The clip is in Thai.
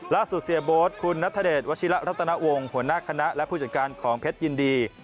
เสียโบ๊ทคุณนัทเดชวัชิระรัตนวงศ์หัวหน้าคณะและผู้จัดการของเพชรยินดี